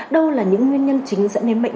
đâu là những nguyên nhân chính dẫn đến bệnh